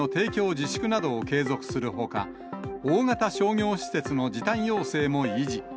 自粛などを継続するほか、大型商業施設の時短要請も維持。